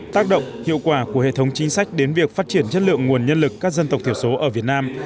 tác động hiệu quả của hệ thống chính sách đến việc phát triển chất lượng nguồn nhân lực các dân tộc thiểu số ở việt nam